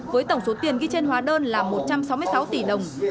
với tổng số tiền ghi trên hóa đơn là một trăm sáu mươi sáu tỷ đồng